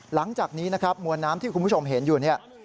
หลังจากนี้มวลน้ำที่คุณผู้ชมเห็นอยู่นี่